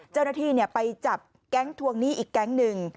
เจ้าหน้าที่ไปจับแก๊งทวงหนี้อีกแก๊งหนึ่ง